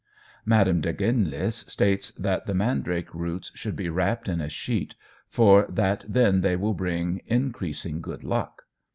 Madame de Genlis states that "the mandrake roots should be wrapped in a sheet, for that then they will bring increasing good luck."